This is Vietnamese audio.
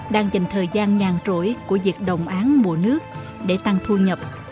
đang dành thời gian nhàn trỗi của việc đồng án mùa nước để tăng thu nhập